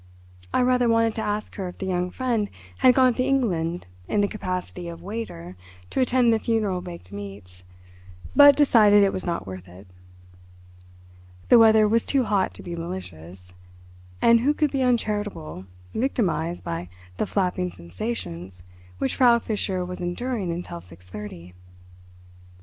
I rather wanted to ask her if the young friend had gone to England in the capacity of waiter to attend the funeral baked meats, but decided it was not worth it. The weather was too hot to be malicious, and who could be uncharitable, victimised by the flapping sensations which Frau Fischer was enduring until six thirty?